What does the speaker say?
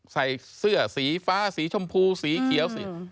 ใส่เสื้อสีฟ้าสีชมพูสีเขียวสี